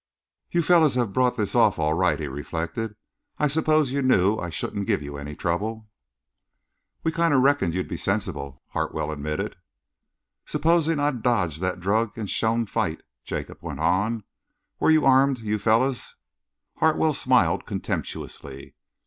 "You fellows have brought this off all right," he reflected. "I suppose you knew I shouldn't give any trouble." "We kind of reckoned you'd be sensible," Hartwell admitted. "Supposing I'd dodged that drug and shown fight?" Jacob went on. "Were you armed, you fellows?" Hartwell smiled contemptuously.